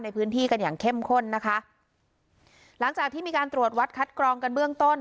ในพื้นที่กันอย่างเข้มข้นนะคะหลังจากที่มีการตรวจวัดคัดกรองกันเบื้องต้น